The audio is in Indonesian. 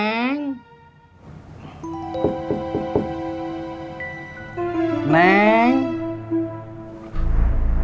bere inhabitasi sana